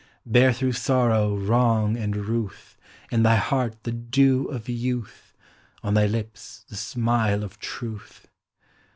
Bear through sorrow, wrong, and ruth, In thy heart the dew of youth. On thy lips the smile of truth.